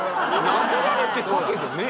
殴られてたけどね。